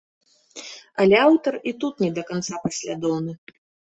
Але аўтар і тут не да канца паслядоўны.